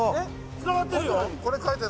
つながってるよ